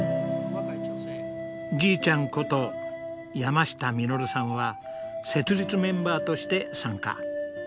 じいちゃんこと山下實さんは設立メンバーとして参加。